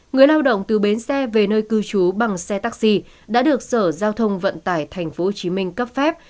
người lao động từ bến xe về nơi cư trú bằng xe taxi đã được sở giao thông vận tải tp hcm cấp phép